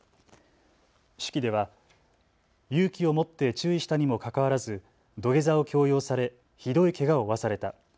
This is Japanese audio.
手記では勇気を持って注意したにもかかわらず土下座を強要されひどいけがを負わされた。